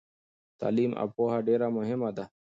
تعلیم او پوهه ډیره مهمه ده.